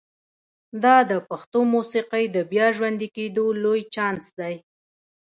دا د پښتو موسیقۍ د بیا ژوندي کېدو لوی چانس دی.